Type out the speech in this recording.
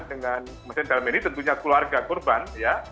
dengan maksudnya dalam ini tentunya keluarga korban ya